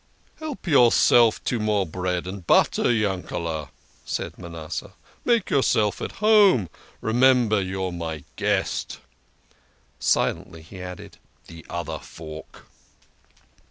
" Help yourself to more bread and butter, Yankele," said Manasseh. "Make yourself at home remember you're my guest." Silently he added : "The other fork